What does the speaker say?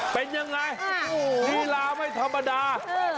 เป็นยังไงลีลาไม่ธรรมดา